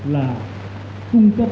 là cung cấp